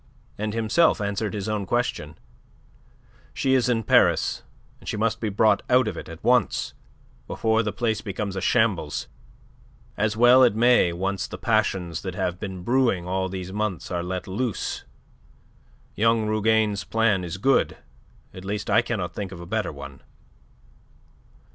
And himself answered his own question: "She is in Paris, and she must be brought out of it at once, before the place becomes a shambles, as well it may once the passions that have been brewing all these months are let loose. Young Rougane's plan is good. At least, I cannot think of a better one."